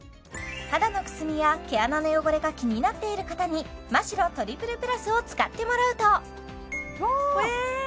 肌のくすみや毛穴の汚れが気になっている方にマ・シロトリプルプラスを使ってもらうとわ！